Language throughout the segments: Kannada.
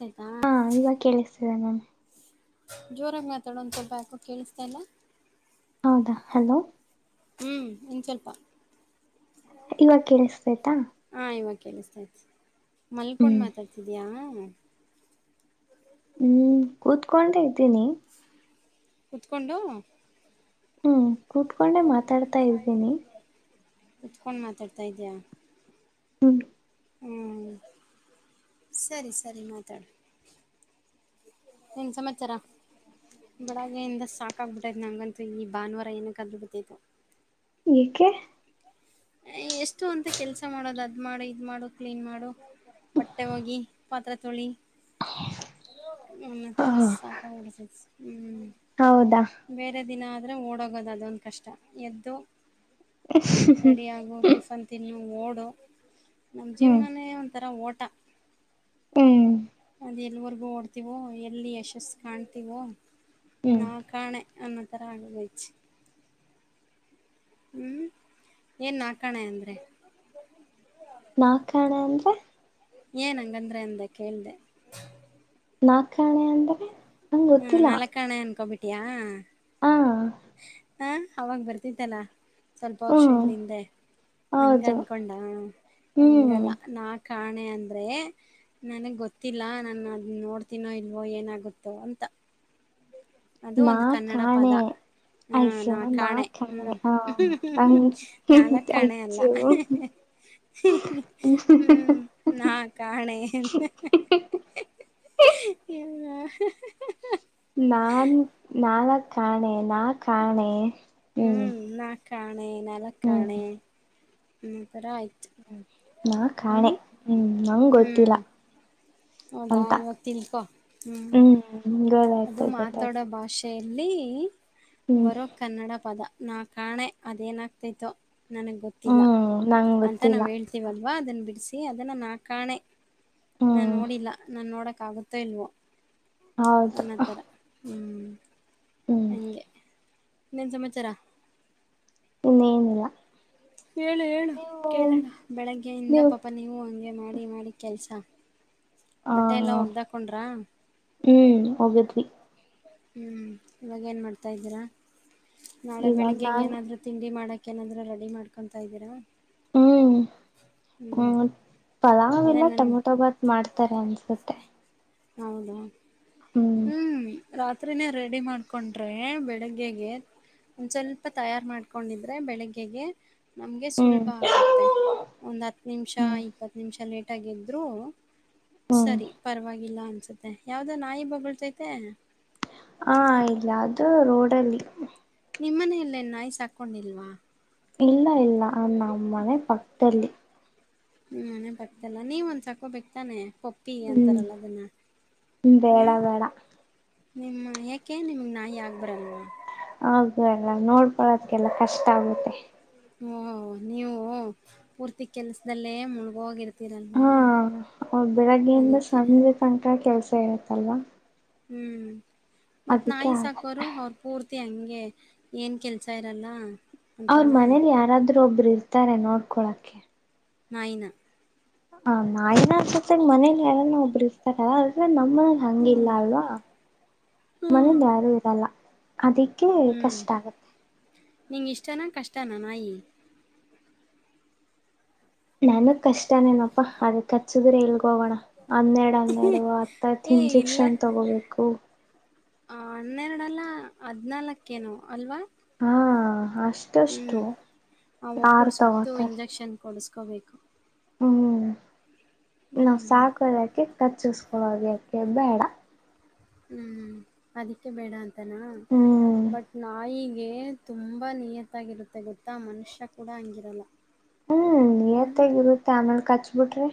ಆಯ್ತಾ ಹಾ ಇವಾಗ ಕೇಳಿಸ್ತೀದೇ ಮ್ಯಾಮ. ಜೋರಾಗಿ ಮಾತಾಡು ಒಂದ್ಸ್ವಲ್ಪ ಯಾಕ್ಕೋ ಕೇಳಿಸ್ತಾ ಇಲ್ಲ. ಹೌದಾ ಹಲೋ. ಹೂ ಇನ್ ಸ್ವಲ್ಪ. ಇವಾಗ ಕೇಳಿಸ್ತೈತಾ. ಕೇಳಿಸ್ತಾ ಇದೆ ಮಲ್ಕೊಂಡ್ ಹ್ಮ್ ಮಾತಾಡ್ತಿದ್ಯಾ. [inaudible] ಹೂ ಕೂತ್ಕೊಂಡೆ ಇದ್ದೀನಿ. ಕುತ್ಕೊಂಡು. ಹೂ ಕುತ್ಕೊಂಡೆ ಮಾತಾಡ್ತಾ ಇದ್ದೀನಿ. ಕುತ್ಕೊಂಡು ಮಾತಾಡ್ತಾ ಇದಿಯಾ. ಹು ಹೂ ಸರಿ ಸರಿ ಮಾತಾಡು ಏನ್ ಸಮಾಚಾರ ಬಳಗೆಯಿಂದ ಸಾಕಾಗಬಿಟ್ಟೈ ನಂಗಂತೂ ಈ ಭಾನುವಾರ ಏನಕ್ಕೆದ ಬಿದುದೋ ಏಕೆ ಎಷ್ಟು ಅಂತ ಕೆಲ್ಸ ಮಾಡೋದು ಅದ್ ಮಾಡು ಇದ್ ಮಾಡು ಕ್ಲೀನ್ ಮಾಡು ಬಟ್ಟೆ ಹೋಗಿ ಪಾತ್ರೆ ತೊಳಿ. ಹ ಮತರ ಸಾಕಗ ಬಿಟ್ಟಿದೆ ಹ್ಮ್ ಹೌದಾ ಬೇರೆ ದಿನ. ಅಂದರೆ ಓಡೋಗೋದು ಅದೊಂದು ಕಷ್ಟ ಎದ್ದು. ಹ್ಮ್ ರೆಡಿ ಆಗು ಟಿಫನ್ ತಿನ್ನು. ಓಡು ನಮ್ ಜೀವನಾನೇ ಒಂತರಾ ಓಟ. ತ ಹ್ಮ್ ಅದ್ ಎಲ್ವರ್ಗೂ ಓಡ್ತಿವೋ ಎಲ್ಲಿ ಯಶಸ್ ಕಾಣ್ತಿವೋ. ಹ್ಮ್ ನಾ ಕಾಣೆ ಅನ್ನ [unintelligible] ಹ್ಮ್ ಏನ್ ನಾ ಕಾಣೆ ಅಂದ್ರೆ ನಾಕಾಣೆ ಅಂದ್ರೆ ಏನ್ ಹಂಗಂದ್ರೆ ಅಂದ ಕೇಳ್ದೆ? ನಾಕಾಣೆ ಅಂದರೆ ಹ್ಮ್ ನಲಕಾಣೆ ಅನ್ಕೊಬಿ ಟ್ಯಾ? ಹ ಹಾ ಅವಾಗ ಬರ್ತಿದ್ದಲ ಸ್ವಲ್ಪ ವರ್ಷ ಹ್ಮ್ ಇಲ್ ಹಿಂದೆ ಹಂಗ್ ಹೌದು ಅನ್ಕೊಂಡ ಹ್ಮ್ ಹಂಗಲ್ಲ ನಾ ಕಾಣೆ ಅಂದ್ರೆ ನನಗ್ ಗೊತ್ತಿಲ್ಲ ನಾನು ಅದ್ನ್ ನೋಡ್ತೀನೋ ಇಲ್ವೋ ಏನಾಗುತ್ತೋ ಅಂತ. ನಾ ಕಾಣೆ. ಹಾ ನಾ ಕಾಣೆ ಹ್ಮ್ ಅಹ್ ಹ್ ಹ್ ನಾಲ್ಕ್ ನಂಗ್ ಕಾಣೆ ಅಲ್ಲ ಅಯ್ಯೋ ಹ್ ಹ್ ಹ್ಮ್ ನಾ ಕಾಣೆ ಹ್ ಹ್ ಹ್ ಹ್ ಆ ಹ್ ಹ್ ಹ್ಮ್ ನಾನ್ ನಾಲ್ಕ್ ಕಾಣೆ ನಾ ಕಾಣೆ. ಹ್ಮ್ ನಾ ಕಾ ಣೆ ನಾಲಕ್ಕಾಣೆ ಒಂತರಾಯ್ ಹ್ಮ್ ನಾ ಕಾಣೆ ಹ್ಮ್ ಹ್ಞೂ ನಂಗೊತ್ತಿಲ್ಲ ಹೌದಾ ಎಂತ ಇವಾಗ ತಿಳ್ಕೊ ಹ್ಞೂ ಹ್ಮ್ ಅದು ಗೊತ್ತಾಯ್ತು ಮಾತಾಡೋ ಗೊತ್ತಾಯ್ತು ಭಾಷೆ ನೀ ಹ್ಮ್ ಬರೋ ಕನ್ನಡ ಪದ. ನಾ ಕಾಣೆ ಅದೇನಾಗ್ತಿತ್ತು. ನನಗ್ ಗೊತ್ತಿಲ್ಲ ಹ್ಮ್ ನಂಗ್ ಅಂತ ಗೊತ್ತಿಲ್ಲ ನಾವ್ ಹೇಳ್ತೀವಲ್ ವಾ ಅದನ್ ಬಿಡ್ಸಿ ಅದನ್ ನಾ ಕಾಣೆ ಹ್ಮ್ ನಾನ್ ನೋಡಿಲ ನಾನ್ ನೋಡಕ್ ಆಗುತ್ತಾ ಇಲ್ವೋ ಹೌದು ನನ್ನ ತರ ಹ್ಮ್ ಹ್ಮ [inaudible] ಹ್ಮ್ ಇನ್ನೇನ್ ಸಮಚಾರಾ ಇನ್ನೇನ್ ಇಲ್ಲ ಹೇಳು ಹೇಳು ಕೇಳೋಣ ಬೆಳಗ್ಗೆಯಿಂದ ಪಾಪ ನೀವು ಹಂಗೆ ಮಾಡಿ ಮಾಡಿ ಕೆಲ್ಸ. ಹ ಹ್ಮ್ ಹೋಗದ್ವಿ ಹ್ಮ್ ಇವಾಗ ಏನ್ ಮಾಡ್ತಾ ಇದೀರಾ ನಾಳೆ ಇವಾಗ ಬೆಳಿಗ್ಗೆಗ ನಾನ್ ಏನಾದ್ರೂ ತಿಂಡಿ ಮಾಡಕ ಏನದ್ರು ರೆಡಿ ಮಾಡ್ಕೊಂತಾ ಇದ್ದೀರಾ. ಹ್ಮ್ ಹ್ಞೂ ಹ್ಮ್ ಪಲಾವ್ ಅದೇ ಇಲ್ಲಾ ನನ್ನ ಟೊಮೊಟೊ ಬಾತ್ ಮಾಡ್ತಾರೆ ಅನ್ಸತ್ತೆ. ಹೌದಾ. ಹ್ಮ್. ರಾತ್ರಿನೇ ರೆಡಿ ಮಾಡ್ಕೊಂಡ್ರೆ ಬೆಳಗ್ಗೆಗೆ ಒಂದ್ ಸ್ವಲ್ಪ ತಯಾರು ಮಾಡ್ಕೊಂಡಿದ್ರೆ ಬೆಳಗ್ಗೆಗೆ ನಮ್ಗೆ ಹ್ಮ್ ಸುಲಭ ಆಗುತ್ತೆ ಒಂದ್ ಹತ್ತು ನಿಮಿಷ ಹ್ಮ್ ಇಪ್ಪತ್ತು ನಿಮಿಷ ಲೇಟ್. ಟಗಿದ್ರು ಹ್ಮ್ ಸರಿ ಪರವಾಗ್ ಇಲ್ಲ ಅನ್ಸುತ್ತೆ ಯಾವ್ದೋ ನಾಯಿ ಬೊಗುಳ್ತೈತೆ ಹ ಇಲ್ಲ ಅದು ರೋಡ್ ಅಲ್ಲಿ. ನಿಮ್ ಮನೆಲ್ ಎನ್ ನಾಯಿ ಸಾಕೊಂಡಿಲ್ವಾ. ಇಲ್ಲ ಇಲ್ಲ ನಮ್ಮ ಮನೆ ಪಕ್ಕದಲ್ಲಿ. ಹ್ಮ್ ಮನೆ ಪಕ್ಕದಲ್ಲಿ ನೀವ ಒಂದ್ ಸಾಕೋ ಬೇಕ್ತಾನೆ ಪಪ್ಪಿ ಹ್ಮ್ ಅಂತಾರಲ್ಲದನ್ನ ಹಾ. ಬೇಡ ಬೇಡ ನಿಮ್ಮ ಯಾಕೆ ನಿಮ್ ನಾಯಿ ಆಗ್ ಬರಲ್ವಾ. ಹೌದು ಎಲ್ಲ ನೋಡ್ಕೊಳೋಕ್ಕ ಎಲ್ಲಾ ಕಷ್ಟ ಆಗುತ್ತೆ. ಹಓ ನೀವು ಪೂರ್ತಿ ಕೆಲ್ಸದಲ್ಲೇ ಮುಳಗೋಗಿರ್ತ. ಹಾ ಬೆಳಗ್ಗೆಯಿಂದ ಅದಕ್ಕೆ ಸಂಜೆ ತಂಕ ಅಕ್ಕಾ ಕೆಲ್ಸ ಇರುತ್ತಲ್ವಾ. ಹ್ಮ್. ಮತ್ ನಾಯಿ ಆಗಲ್ಲ ಸಾಕೋರು ಅವ್ರ ಪೂರ್ ತೆ ಹಂಗೆ ಏನ್ ಕೆಲ್ಸ ಇರಲ್ಲ. ಅವ್ರ ಅಂತನಾ ಮನೇಲಿ ಯಾರಾದ್ರೂ ಒಬ್ರು ಇರ್ತಾರೆ ನೋಡ್. ಕೊಳಕ್ಕೆ. ನಾಯಿನ್ ಹ ನಾಯಿನ ಅನಸುತ್ತೆ ಮನೇಲಿ ಯಾರನ ಒಬ್ರು ಇರ್ತಾರ ಆದ್ರೆ. ನಮ್ಮನೇಲಿ ಹಂಗಿಲ್ಲ ಅಲ್ವಾ ಹ್ಞೂ [unintelligible] ಮನೇಲಿ ಯಾರು ಇರಲ್ಲ. ಅದೀಕ್ಕೆ ಕಷ್ಟ ಆಗತ್ತೆ ನೀಂಗ ಇಷ್ಟನಾ ಕಷ್ಟನಾ ನಾಯಿ? ನಾನು ಕಷ್ಟನೇನಪ್ಪಾ ಅದ್ನ ಕಚ್ಚುದ್ರೆ ಎಲ್ಗ. ಹೋಗೋಣ ಹನ್ನೆರಡ ಹನ್ನೆರಡ ಹತ್ತೈತ್ ಏ ಇಲ್ಲ ಇಂಜೆಕ್ಷನ್ ತಗೋಬೇಕು. ಆ ಹನ್ನೆರಡ ಅಲ್ಲ ಹದಿನಾಲ್ಕಕೇನೊ ಅಲ್ವಾ? ಹಾ ಅಷ್ಟಷ್ಟು ಹ್ಮ್ ಆ ಒಕ್ಕುಳ ಯಾರ್ ಸುತ್ತು ತಗೋತಾರೆ ಇಂಜೆಕ್ಷನ್ ಕೊಡಸ್ ಕೋಬೇಕು. ಹ್ಮ್ ನಾವ್ ಹ್ಞೂ ಸಾಕೊದಕೆ. ಕಚ್ಚಿಸ್ಕೊಳ್ಳೋದೇಕ್ಕೆ ಬೇಡ. ಹ್ಮ್ ಅದಕ್ಕೆ ಬೇಡ ಅಂತ ಅಂತನಾ? ಹ್ಮ್ ಬಟ್ ನಾಯಿ ಗೆ ತುಂಬಾ ನಿಯತ್ತಾಗಿರುತ್ತೆ ಗೊತ್ತಾ? ಮನುಷ್ಯ ಕೂಡ ಹಂಗಿರಲ್ಲ. ಹ್ಮ್ ಹ್ಮ್. ನಿಯತ್ತಗರುತ್ತೆ ಆಮೇಲ ಕಚ್ ಬಿಟ್ರೆ.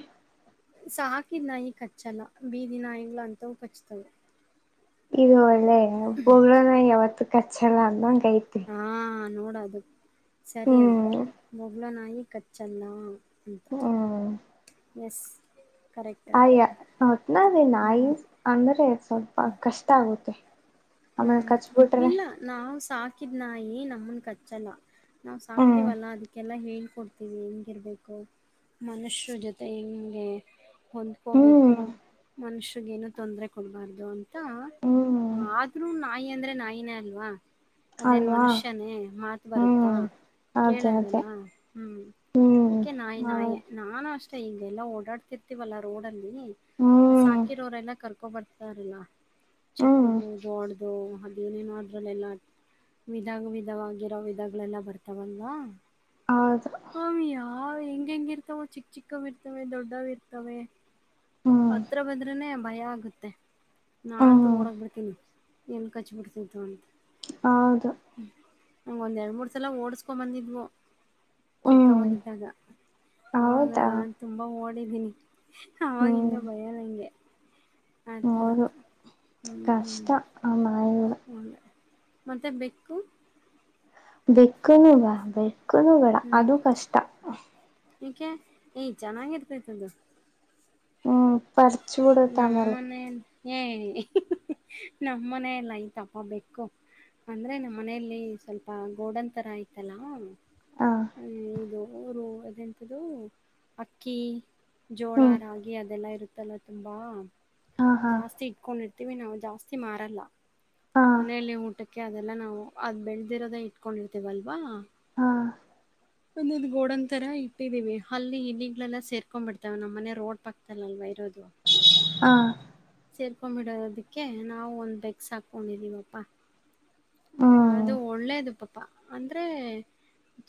ಸಾಕಿದ್ದ ನಾಯಿ ಕಚ್ಚಲ್ಲ ಬೀದಿ ನಾಯಿಗ್ಗಳು ಅಂತವು ಕಚ್ತವೆ. ಇದು ಒಳ್ಳೆ ಬೊಗಳೊ ನಾಯಿ ಯಾವತ್ತು ಕಚ್ಚಲ್ಲ ಅಂದಂಗ್ ಐತೆ. ಹಾ ನೋಡದು. ಸರಿ ಅದು ಬೊಗ್ಲೊ ನಾ ನಾಯಿ ಕಚ್ಚಲ್ಲಾ. ಅಂತಾ. ಎಸ್ ಕರೆಕ್ಟ್ ಅದು. ಅಯ್ಯ ಒಟ್ನಲ್ಲಿ ನಾಯಿ ಹ್ಮ್. ಅಂದ್ರೆ ಸ್ವಲ್ಪ ಕಷ್ಟ ಆಗುತ್ತೆ. ಆಮೇಲೆ ಹ್ಮ್ ಕಚ್ಬಿಟ್ರೆ ಇಲ್ಲ ನಾವು ಸಾಕ ಕಿದ್ ನಾಯಿ ನಮ್ಮನ್ ಕಚ್ಚಲ್ಲ. ನಾವ ಹ್ಮ್ ಸಾಕ್ತಿವಲ್ಲಾ ಅದಕ್ಕೆಲ್ಲ ಹೇಳಿ. ಕೊಡ್ತೀವಿ ಹೆಂಗಿರ್ಬೇಕು ಮನುಷ್ಯರು ಜೊತೆ ಹೆಂಗೆ. ಹ್ಮ್ ಹೊಂದ್ಕೋಬೇಕು ಮನುಷ್ಯ. ಏನು ತೊಂದ್ರೆ ಕೊಡಬಾರ್ದು ಅಂತ. ಹ್ಮ್ ಇರು ನಾಯಿ ಅಂದ್ರೆ ನಾಯಿನೇ ಅಲ್ವಾ? ಅದೇನ್ ಅಲ್ವಾ ಮನುಷ್ಯನೇ ಮಾತ್ ಬರುತ್ತಾ? ಹ್ಮ್ ಅದೇ ಅದೇ ಕೇಳಲ್ಲ್ವಲ್ಲಾ ಹ್ಮ್ ಹ್ಮ್ ಅದಕ್ಕೆ ನಾಯಿ ಹಾಗ ನಾಯೆ ನಾನು ಅಷ್ಟೇ ಹೀಗ ಎಲ್ಲಾ ಓಡಾಡ್ತಿರ್ತಿವಲ್ಲ ರೋಡಲ್ ಲ್ಲಿ ಹ್ಮ್ ಸಾಕಿರೋರೆಲ್ಲ ಕರ್ಕೊ ಬರ್ ಸರಿನ ಹ್ಮ್ ಚಿಕ್ಕನೂರು ಅದು ಅದೇಏನೇನ್ ಮಾಡ್ರಲ್ಲೆಲ್ಲ [unintelligible] ವಿಧಾಗ ವಿಧವಾಗಿರೋ ವಿಧಗಳೆಲ್ಲ ಬರ್ತಾವಲ್ವಾ ಹೌ ಹ ಯಾವ ಹೆಂಗ ಹೆಂಗ ಇರ್ತಾವ ಚಿಕ್ಕ ಚಿಕ್ಕವ ಇರ್ತವೆ ದೊಡ್ಡ ಇರ್ತವೆ. ಹ್ಮ್ ಹತ್ರ ಬಂದ್ರನೆ ಭಯ ಆಗ್ ತ್ತೆ ಹ್ಮ್ ನಾಂತು ಓಡೊಗ್ ಬಿಡ್ತೀನಿ. ಎಲ್ ಕಚ್ ಬಿಡ್ತೈತೋ ಅಂತ. ಹೌದು ನಂಗ ಒಂದ ಎರಡು ಮೂರು ಸಲ ಓಡಿಸ್ಕೊಂಡ ಬಂದಿದ್ವು. ಹ್ಮ್ ಚಿಕ್ಕವಗಿದ್ದಗ ಅವಗ ಹೌದಾ ತುಂಬಾ ಓಡಿದಿನಿ. [inaudible] ಹ್ಮ್ ಅವಗಿಂದ ಭಯ ನನ್ ಗೆ ಹೌದು [unintelligible] ಕಷ್ಟ ಆ ಮ [unintelligible] ಮತೆ ಬೆಕ್ಕು ಬೆಕ್ಕುನು ಬಾ ಬೆ ಕ್ಕುನುಬೇಡ ಹ್ಞೂ ಅದು ಕಷ್ಟ. ಏಕೆ ಏ ಚೆನ್ನಾಗಿ ಇರ್ತೈತದು. ಹ್ಮ್ ಪ ನಮ್ಮನೆೇ ಏ [unintelligible] ನಮ್ ಮನೇಲಿ ಐತಪ ಬೆಕ್ಕು ಅಂದ್ರೆ ನಮ್ಮನೇಲಿ ಸ್ವಲ್ಪ ಗೋಡನ್ಂತರ ಆಯ್ತಲ ಹ್ಮ್ ಹ ಇದು ಊರು ಎಂತದು ಅಕ್ಕಿ ಜೋಳ ಹ್ಮ್ ರಾಗಿ ಅದೆಲ್ಲ ಇರುತ್ ತಲ ತುಂಬ ಹಾ ಹಾ ಜಾಸ್ತಿ ಇಟ್ಕೊಂಡಿರ್ ತಿವಿ ನಾವು ಜಾಸ್ತಿ ಮಾರಲ್ಲ ಮನೆಯಲ್ಲಿ ಊಟಕ್ಕೆ ಅದೆಲ್ಲ ನಾವು ಅದ್ ಬೆಳದಿರೋದ ಇಟ್ಕೊಂಡಿರ್ತೇವ್ ಅಲ್ವಾ ಹಾ ಹಾ ಒಂದ್ ಗೋಡನ್ ತರ ಇಟ್ಟಿದೀವಿ ಅಲ್ಲಿ ಇಲಿಗ್ಳೆಲ್ಲ ಸೇರ್ಕೊಂಡ್ ಬಿಡ್ತಾವೆ ನಮ್ಮನೆ ರೋಡ್ ಪಕ್ಕದಲ್ಲಲ್ವಾ ಇರೋದು. ಹಾ ಸೇರ್ಕೊಂಡ್ಬಿಡೋದಕ್ಕೆ ನಾವು ಒಂದ್ ಬೆಕ್ಕ್ ಸಾಕೊಂಡಿದ್ದೀವಪ್ಪ. ಹ್ಮ್ ಅದು ಒಳ್ಳೇದು ಪಾಪ ಅಂದ್ರೆ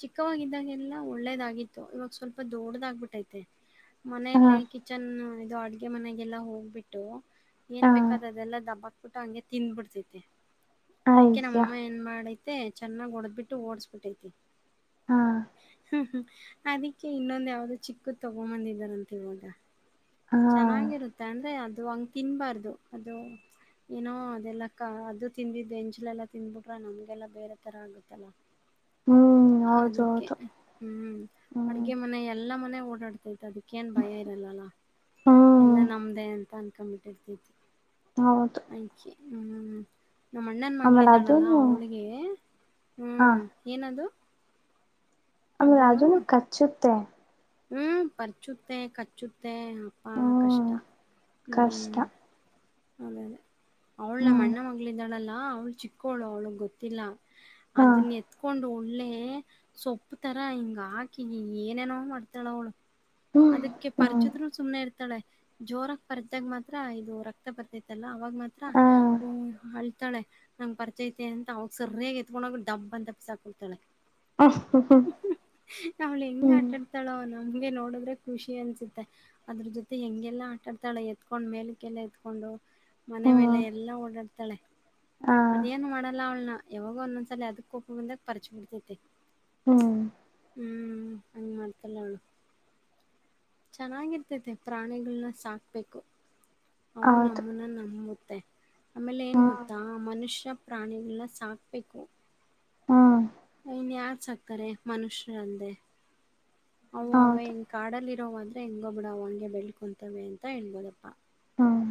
ಚಿಕ್ಕವಾಗಿದ್ದಾಗೆಲ್ಲ ಒಳ್ಳೇದಾಗಿತ್ತು ಇವಾಗ ಸ್ವಲ್ಪ ದೊಡ್ದಾಗಬಿಟ್ಟೈತೆ. ಹಾ ಮನೇಲೆ ಕಿಚನ್ ಇದು ಅಡ್ಗೆ ಮನೆಗೆಲ್ಲಾ ಹೋಗ್ಬಿಟ್ಟು ಏನ್ ಹಾ ಬೇಕದು ಅದೆಲ್ಲಾ ದಬ್ಬಾಕ್ಬಿಟ್ಟು ಹಂಗೆ ತಿಂದ್ಬಿಟ್ಟಿದ್ ಆಯ್. ಮಮ್ಮ ಎನ್ ಮಾಡಾ - ಐತೆ ಚೆನ್ನಾಗಿ ಹೊಡದ್ಬಿಟ್ಟು ಓಡಸ್ಬಿಟ್ಟೈತಿ ಹಾ - ಹ್ಮ್ ಅದಕ್ಕೆ ಇನ್ನೊಂದ್ ಯಾವ್ದೋ ಚಿಕ್ಕದ ತಗೊಂಬಂದಿದಾರಂತ ಈವಾಗ - ಹಾ ಚೆನ್ನಾಗಿರುತ್ತೆ ಅಂದ್ರೆ ಅ - ಅದು ಹಾಂಗ್ ತಿನ್ಬಾರ್ದು ಅದು ಏನೋ ಅದೆಲ್ಲ ಕ ಅದು ತಿಂದಿದ್ದು ಎಂಜುಲು ತಿಂಧುಬಿಟ್ರೇ ನಮಗೆಲ್ಲ ಬೇರೆ ಥರ ಆಗುತ್ತಲ್ಲ. ಹ್ಮ್ ಹೌದು ಅದಿಕ್ಕೆ ಹೌದು ಹ್ಮ್ ಹ್ಮ್ ಅಡ್ಗೆ ಮನೆ ಎಲ್ಲಾ ಮನೆ ಓಡಾಡ್ತ - ಆತ್ ಅದಕ್ಕ ಏನ್ ಭಯ ಇರಲ್ಲಲ್ಲ - ಎಲ್ಲ ಹ್ಮ್ ನಮ್ದೇ ಅಂತ ಅನ್ಕೋಬಿ- ಅನ್ಕೊಂಡ್ಬಿಟ್ಟಿರ್ತೀವಿ. ಹೌದು. ನಮ್ಮ ಅಣ್ಣನ ಆಮೇಲೆ ಮಗಳಿದ್ದಾಳಲ್ಲ ಅದನು ಅವಳಿಗೆ ಹ್ಮ್ ಏನದು. ಆ ಅದನು ಅದುನು ಕಚ್ಚುತ್ತೆ ಹ್ಮ್ ಪರಿಚುತ್ತೆ ಕಚ್ಚುತ್ತೆ. ಅಪ್ಪ ಕಷ್ಟ ಹ್ಮ್ ಹ್ಹ್ ಕಷ್ಟ ಹ್ಹ್. ಅದೇ ಅದೇ. ಅವಳು ಹ್ಮ್ ನಮ್ಮಣ್ಣನ್ ಮಗ್ಳು ಇದ್ದಾಳಲ್ಲ. ಅವ್ಳು ಚಿಕ್ಕೋಳು ಅವ್ಳಗ್ ಗೊತ್ತಿಲ್ಲ ಹಾ ಅದನ್ನ ಎತ್ಕೊಂಡು ಒಳ್ಳೆ ಸೊಪ್ಪುತರ ಹಿಂಗ ಆಕಿ ಏನೇನೋ ಮಾಡ್ತಾಳೆ ಅವಳು - ಹ್ಮ್ ಅದಕ್ಕೆ ಹ್ಮ್ ಪರ್ಚದ್ರು ಸುಮ್ನೆ ಇರ್ತ- ರ್ತಾಳೆ ಜೋರಕ್ ಪರಚದಗ ಮಾತ್ರ ಇದು ರಕ್ತ ಬರ್ತೈತಲ್ಲ ಅವಾಗ ಮಾತ್ರ ಸ್ವಲ್ಪ ಹ ಅಳ್ತಾಳೆ ನಂಗ್ ಪರ್ತೈತೆ ಅಂತ ಅವಾಗ ಸರಯಾಗ ಎತ್ಕೊಂಡೋಗಿ ಡಬ್ ಅಂತ ಬಿಸಾಕ್ತಾಳೆ. ಹಾ ಹ್ಮ್ ಅವಳ ಹೆಂಗ ಹ್ಮ್ ಆಟಾಡ್ತಾಳೋ ಅವನು - ಹಂಗೆ ನೋಡಿದ್ರೆ ಖುಷಿ ಅನಿಸುತ್ತೆ ಅದ್ರ ಜೊತೆ ಹೆಂಗೆಲ್ಲ ಆಟಾಡ್ತಾಳೆ ಎತ್ಕೊಂಡು ಮೇಲಕ್ಕೆಲ್ಲ ಎತ್ಕೊಂಡು ಮನೆ ಮೇಲೆ ಹ್ಮ್ ಎಲ್ಲ ಓಡಾಡ್ತಾಳೆ ಹಾ - ಅದು ಏನ್ ಮಾಡಲ್ಲ ಅವಳನ್ನ ಯವಾಗೋಂದ ಸಲಿ ಅದಕ್ಕೆ - ಕೋಪ ಬಂದಾಗ ಪರಿಚಿ ಬಿಡ್ತತೆ ಹ್ಮ್ ಹ್ಞೂ ಹಂಗೆ ಮಾಡ್ತಲ್ಲ ಅವಳು ಚೆನ್ನಾಗಿರ್ತೈತೆ ಪ್ರಾಣಿಗಳನ್ನ ಸಾಕ್ಬೇಕು. ಅವು ಹೌದು ನಮ್ಮನ್ನ ನಂಬುತ್ತೆ ಆಮೇಲೆ ಏನ್ ಹ್ಮ್ ಗೊತ್ತಾ ಮನುಷ್ಯ ಪ್ರಾಣಿಗಳಲ್ಲ ಸಾಕ್ ಪಕ್ಕು [inaudible] [unintelligible] ಹ್ಮ [inaudible] [unintelligible] ನಿನ್ ಯಾರ್ ಸಾಕ್ತಾರೆ ಮನುಷ್ಯರ ಅಲ್ಲದೆೇ., ಅವ ಆ ಹೌದು ಎನ್ ಕಾಡಲ್ಲಿ ಇರೋ ಅ [unintelligible] ಹೆಂಗಬಿಡ ಅವಂಗೆ ಬೆಳ್ಕೊಂತವ ಅಂತ ಹಳ್ಬೋದಪ್ಪ. ಹ್ಮ್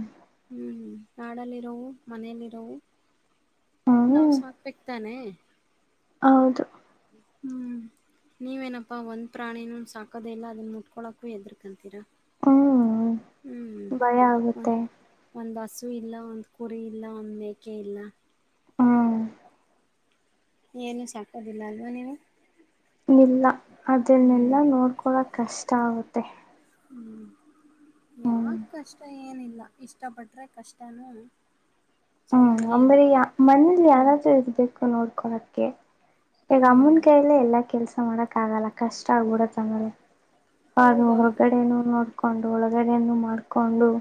ಹ್ಮ್ ನಾಡಲ್ಲಿರೋವು ಮನೆಲಿರೋವು ನಾವ್ ಹ್ಮ್ ಸಾಕ್ಬೇಕ್ ತಾನೇ. ಹೌದು ಹ್ಮ್ ನೀವೇನಪ್ಪಾ ಒಂದ್ ಪ್ರಾಣಿನೂ ಸಾಕದೆಇಲ್ಲ. ಅದನ್ನ ಮುಟ್ಕೊಳಕ್ಕೂ ಎದ್ರ ಕಂತೀರಾ. ಹ್ಮ್ ಭಯ ಆಗುತ್ತೆ ಇ ಇಲ್ಲ ಒಂದ್ ಕುರಿ ಇಲ್ಲ ಒಂದ್ ಮೇಕೆ ಇಲ್ಲ. ಹ್ಮ್ ಏನು ಸಾಕೋದಿಲ್ಲ ಅಲ್ವಾ ನೀವು. ಇಲ್ಲ ಹ್ಮ್ ಅದನ್ನೇಲ್ಲಾ ನೋಡ್ಕೊಳಕ್ ಕಷ್ಟ ಆಗುತ್ತೆ. ಹ್ಮ್ ಯಾಕ್ ಕಷ್ಟ, ಏನಿಲ್ಲ ಇಷ್ಟ ಪಟ್ರೆ ಕಷ್ಟನೂ.... ಹ್ಮ್ ಚೆನ್ನಾಗೇ ಅಮೇರಿ ಯಾ ಇರುತ್ತೆ. ಮನಲಿ ಹ್ಮ್ ಯಾವಾರಾದರು ಇರ್ಬೇಕು ನೋಡ [unintelligible] ಕೊರಕ್ಕೆೆ [unintelligible] ಈಗ ಹ್ಮ್ ಅಮ್ಮನ್ ಕೈ ಲೆ ಎಲ್ಲಾ ಕೆಲ್ಸ, ಮಾಡಕ್ ಆಗಲ್ಲ ಕಷ್ಟ ಆಗ್ಬಿಡತ್ತೆಮೇಲೆ ಹೌದು ಹೌದೌದು ಹೊರಗಡೆನು ನೋಡ್ಕೋ [unintelligible] ಕೊಂಡು ಒಳಗಡೆನುಮಾಡ್ಕೊಂಡು.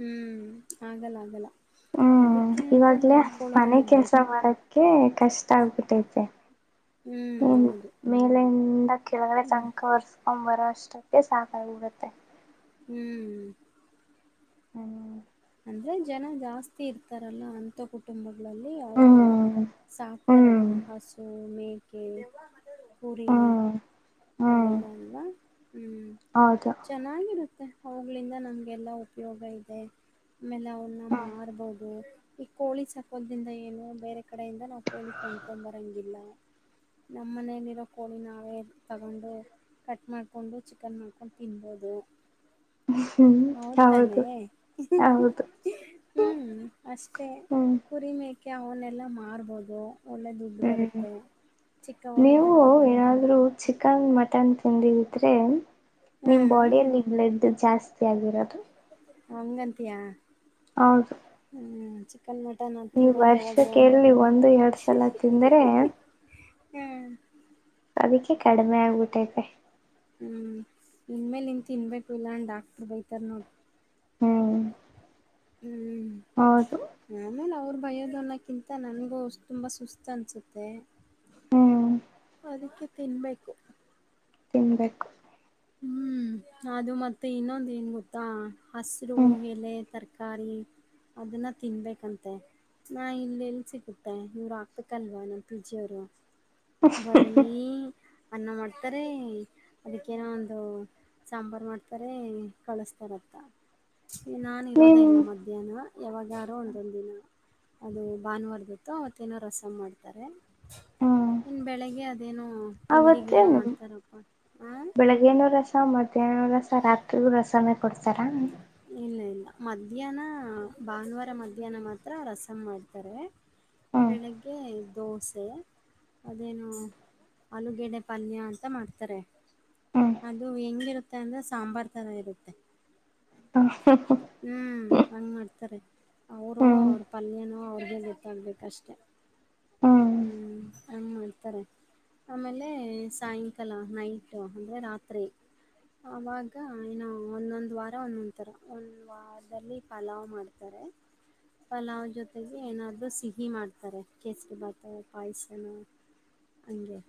ಹ್ಮ್ ಆಗಲ್ಲ ಆಗಲ್ಲ, ಹ್ಮ್ ಅದಕ್ಕೆ ಅಂತ ಇವಾಗ್ಲೇ ನೋಡ್ಕೊಳ್ಳೋರು ಮನೆ ಕೆಲ್ಸ ಇರ್ಬೇಕು. ಮಾಡಕ್ಕೆ ಕಷ್ಟ ಆಗ್ಬಿಟ್ಟೈತೆ. ಹ್ಮ್ ಮೇಲಿಂದ ಇಂದ [inaudible] ಕೆಳಗಡೆ ಸಂಕ ಒರ್ಸ್ಕೊ ಬರಕ್ಕ್ [unintelligible] ಇಷ್ಟಕ್ಕೆ ಸಾಕಗಿಬಿಡತ್ತೆ. ಹ್ಮ್... ಹ್ಮ್ [inaudible] ಅಂದ್ರೆ ಜನ ಜಾಸ್ತಿ ಇರ್ತಾರಲ್ಲ ಅಂತ ಕುಟುಂಬ- ಅವರು ಹ್ಮ್ ಸಾಕ್ತಾರ ಹ್ಮ್ ದನ್ನ ಹಸು ಮೇ [inaudible] ಪುರಿ ಹ್ಮ್ ಹ್ಮ್ ಅವೆಲ್ಲ ಅಲ್ವಾ ಹ್ಮ್ ಹೌದು ಚೆನ್ನಾಗಿರುತ್ತೆ. ಮತೆ ಅವುಗಳಿಂದ ನಮ್ಗೆಲ್ಲ ಉಪಯೋಗ ಇದೆ. ಆಮೇಲೆ ಅವ್ನ್ ಹ್ಮ್ ಮಾರ್ಬಹುದು. ಈ ಕೋಳಿ ಸಾಕೋದ್ರಿಂದ ಏನು ಬೇರೆ ಕಡೆಯಿಂದ ನಾವು ಕೋಳಿ ಕೊಂಡ್ಕೊಂಡಂಬರೋಂಗಿಲ್ಲ. ನಮ್ಮ ಮನೇಲಿರೋ ಕೋಳಿ ನಾವೇ ತಗೊಂಡು ಕಟ್ ಮಾಡ್ಕೊಂಡು ಚಿಕನ್ ಮಾಡ್ಕೊಂಡು ತಿನ್ಬೋದು. ಹ್ಮ್ ಹೌದು ಅ ಹ್ಮ್ ಅಷ್ಟೇ ಹ್ಮ್ ಕುರಿ ಮೇ ಅಕೆ ಅವನ್ನೆಲ್ಲ ಮಾರ್ಬೋದು. ಒಳ್ಳೆ ದುಡ್ಡು ಹ್ಮ್ ಬರುತ್ತೆ ಚಿಕ್ಕವಾಗಿದ್ದಾಗ ತಗೊಬರೋದು [unintelligible] ಕನ್ ಮಟನ್ ತಿಂದೀದಿದ್ರೆ ನಿಮ್ ಹ್ಮ್ ಬಾಡಿಯಲ್ಲಿ ಬ್ಲಡ್ ಜಾಸ್ ಸಿ ಆಗಿರೋದು. ಹಂಗಂತಿಯಾ? ಹೌದು ಮಟನ್ ಅದು ಈ ತಿನ್ನೋದು ಯಾವಾಗೋ ವರ್ಷಕ್ಕೆಲ್ಲಿ ಒಂದು ಎರಡ್ ಸಲ ತಿಂದರೆ ಹ್ಮ್, ಅದಕ್ಕೆ ಕಡಿಮೆ ಆಗ್ಬಿಟ್ಟೈತೆ. ಹ್ಮ್ ಇನ್ಮೇಲೆ ನೀನ್ ತಿನ್ಬೇಕು ಇಲ್ಲ ಅಂದ್ರ ಡಾಕ್ಟರ್ ಬೈತರ್ ನೋಡ್. ಹ್ಮ್ ಹ್ಮ್ ಹೌದು [unintelligible] ನಮೇಲೆ ಅವರು ಭಯೋದನ್ನಕ್ಕಿಂತ ನನಗೂ ತುಂಬ ಸುಸ್ತು ಅನ್ಸುತ್ತೆ [unintelligible] ಹ್ಮ್ ಅದಕ್ಕೆ ತಿನ್ಬೇಕು. ತಿನ್ಬೇಕು ಹ್ಮ್ ಅದು ಮತ್ತೆ ಇನ್ನೊಂದು ಏನ್ ಗೊತ್ತಾ ಹಸರು ಹ್ಮ್ ಎಲೆ ತರಕಾರಿ ಅದನ್ನ ತಿನ್ಬೇಕಂತೆ ನಾ ಇಲ್ಲೆಲ್ಲಿ ಸಿಗುತ್ತೆ ಇವ್ರು ಆಕ್ಬೇಕಲ್ವಾ ನಮ್ ಪಿಜಿಯವರು. ಬರೀ ಅನ್ನ ಮಾಡ್ತಾರೆ ಅದಕ್ ಏನೋ ಒಂದು ಸಾಂಬಾರು ಮಾಡ್ತಾರೆ ಕಳಸತರತ್ತ. ನಾನ್ ಇರೋದೇ ನಿಮ್ ಇಲ್ಲ ಮಧ್ಯಾಹ್ನ ಯಾವಾಗಾರೋ ಒಂದೊಂದ ದಿನ. ಅದು ಭಾನುವಾರದತ್ತು ಅವತ್ತೇನೋ ರಸಂ ಮಾಡ್ತಾರೆ. ಹ್ಮ್ ಇನ್ ಬೆಳಿಗ್ಗೆ ಅದೇನೋ ತಿಂಡಿಗೆನೋ ಮಾಡ್ತಾರಪ್ಪ ಹ ಗುನು ರಸಂ ಮಧ್ಯಾಹ್ನ ರಸಂ ರಾತ್ರಿ ರಸಂ ಮೇ ಕೊಡ್ತರ ಇಲ್ಲ, ಇಲ್ಲ. ಮಧ್ಯಾಹ್ನ ಭಾನುವಾರ ಮಧ್ಯಾಹ್ನ ಮಾತ್ರ ರಸಂ ಮಾಡ್ತಾರೆ ಹ್ಮ್ ಬೆಳಗ್ಗೆ ದೋಸೆ ಅದೇನು ಆಲೂಗೆಡೆ ಪಲ್ಯ ಅಂತ ಮಾಡ್ತಾರೆ ಹ್ಮ್ ಅದು ಹೆಂಗಿರುತ್ತೆ ಅಂದ್ರೆ ಸಾಂಬಾರು ತರ ಇರುತ್ತೆ. ಹಾ ಹ್ಮ್ ಹಂಗ್ ಮಾಡ್ತಾರೆ ಅವ್ರೋ ಹ್ಮ್ ಅವ್ರ್ ಪಲ್ಯನೋ ಅವ್ರಿಗೆ ಗೊತ್ತಾಗಬೇಕಷ್ಟೆ. ಹ್ಮ್ ಹಂಗ್ ಮಾಡ್ತಾರೆ ಆಮೇಲೆ ಸಾಯಂಕಾಲ ನೈಟ್ ಅಂದ್ರೆ ರಾತ್ರಿ ಅವಾಗ ಏನೋ ಒಂದೊಂದ್ ವಾರ ಒಂದೊಂದ್ ತರ ಒಂದ್ ವಾರದಲ್ಲಿ ಪಲಾವ್ ಮಾಡ್ತಾರೆ ಪಲಾವ್ ಜೊತೆಗೆ ಏನಾದ್ರೂ ಸಿಹಿ ಮಾಡ್ತಾರೆ ಕೇಸರಿ ಭಾತ್ ಪಾಯ್ಸನ ಅಂಗೆ